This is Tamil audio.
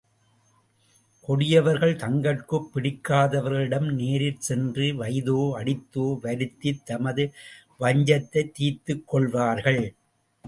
கொடியவர்கள் தங்கட்குப் பிடிக்காதவர்களிடம் நேரிற் சென்று வைதோ, அடித்தோ, வருத்தித் தமது வஞ்சத்தைத் தீர்த்துக்கொள்வார்கள்.